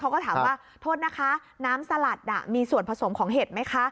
เขาก็ถามว่าโทษนะคะน้ำสลัดมีส่วนผสมของเห็ดไหมคะ